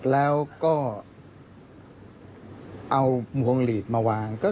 แล้วก็